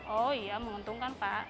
oh iya menguntungkan pak